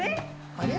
あれ？